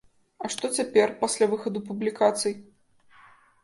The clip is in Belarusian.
А што цяпер, пасля выхаду публікацый?